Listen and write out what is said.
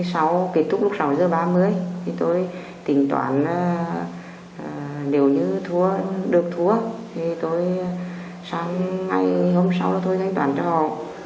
sau kết thúc lúc sáu giờ ba mươi tôi tỉnh toán nếu như được thua thì tôi sáng ngày hôm sau tôi thanh toán cho họ